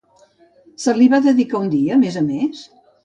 Se li va dedicar un dia, a més a més?